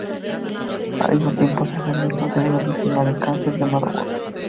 Al mismo tiempo, se hace amigo de una víctima del cáncer llamada Bob.